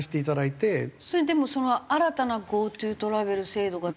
それでも新たなＧｏＴｏトラベル制度が。